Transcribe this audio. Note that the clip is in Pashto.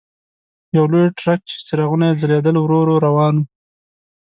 یو لوی ټرک چې څراغونه یې ځلېدل ورو ورو روان و.